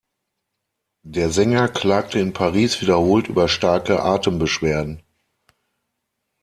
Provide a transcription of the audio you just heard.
Der Sänger klagte in Paris wiederholt über starke Atembeschwerden.